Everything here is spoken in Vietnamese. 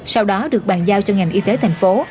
sau đó được bàn giao cho ngành y tế thành phố